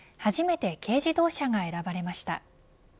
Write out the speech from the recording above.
今年の車に初めて軽自動車が選ばれました。